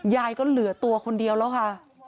ยายก็เหลือตัวคนเดียวแล้วค่ะ